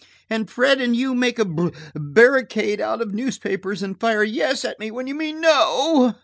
And Fred and you make a ba–barricade out of newspapers, and fire 'yes' at me when you mean 'no.'"